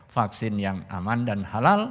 vaksin yang aman dan halal